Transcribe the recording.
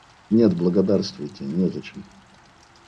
Нет, благодарствуйте, незачем.